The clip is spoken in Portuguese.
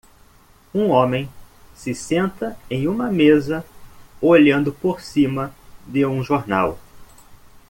Um homem se senta em uma mesa olhando por cima de um jornal